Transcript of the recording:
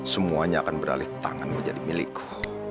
semuanya akan beralih tanganmu jadi milikku